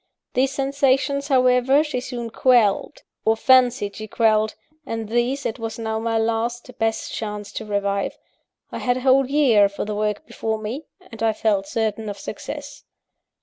These sensations, however, she soon quelled, or fancied she quelled; and these, it was now my last, best chance to revive. I had a whole year for the work before me; and I felt certain of success.